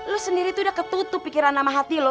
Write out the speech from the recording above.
lo sendiri tuh udah ketutup pikiran sama hati lo